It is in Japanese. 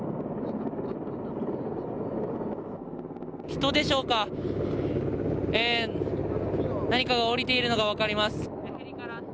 人でしょうか、何かがおりているのが分かります。